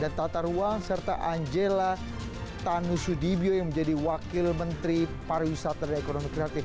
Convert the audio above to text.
dan tata ruang serta angela tanusudibio yang menjadi wakil menteri pariwisata dan ekonomi kreatif